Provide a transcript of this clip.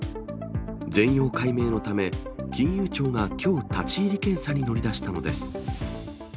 全容解明のため、金融庁がきょう、立ち入り検査に乗り出したのです。